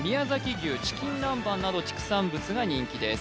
牛チキン南蛮など畜産物が人気です